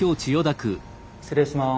失礼します。